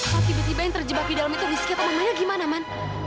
kalau tiba tiba yang terjebak di dalam itu disikir ke mamanya gimana man